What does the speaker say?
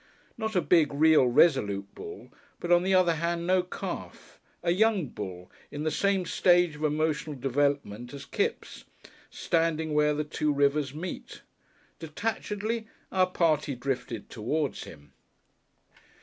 Not a big, real, resolute bull, but, on the other hand, no calf; a young bull, in the same stage of emotional development as Kipps, "standing where the two rivers meet." Detachedly our party drifted towards him.